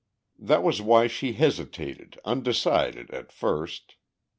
That was why she hesitated, undecided, at first.